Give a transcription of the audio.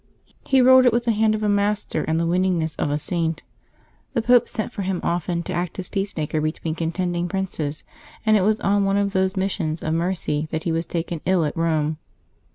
He ruled it with the hand of a master and the winningness of a Saint. The Pope sent for him often to act as peacemaker between contending princes, and it w^as on one of those missions of mercy that he was taken ill at Eome.